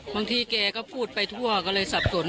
บางทีแกก็พูดไปทั่วก็เลยสับสน